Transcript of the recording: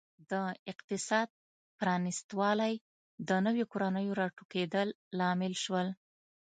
د اقتصاد پرانیستوالی د نویو کورنیو راټوکېدل لامل شول.